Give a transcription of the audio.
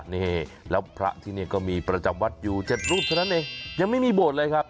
นี่แล้วพระที่นี่ก็มีประจำวัดอยู่๗รูปเท่านั้นเองยังไม่มีโบสถ์เลยครับ